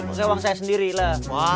maksudnya uang saya sendiri lah